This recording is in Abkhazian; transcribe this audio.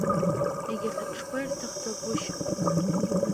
Егьырҭ аҽқәа ирҭахӡагәышьам.